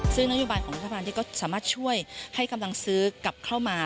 ซึ่งนโยบายของรัฐบาลก็สามารถช่วยให้กำลังซื้อกลับเข้ามา